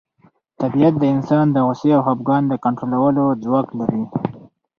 طبیعت د انسان د غوسې او خپګان د کنټرولولو ځواک لري.